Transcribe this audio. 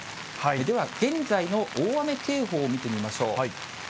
では現在の大雨警報を見てみましょう。